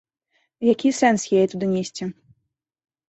Які сэнс яе туды несці.